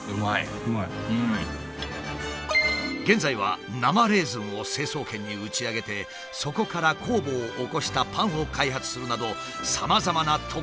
現在は生レーズンを成層圏に打ち上げてそこから酵母を起こしたパンを開発するなどさまざまな特産品を開発中だ。